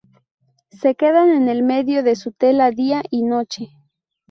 Se quedan en el medio de su tela día y noche.